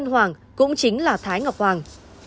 hoàng cũng chính là thái ngọc hoàng